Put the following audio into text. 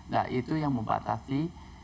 nah itu yang membatasi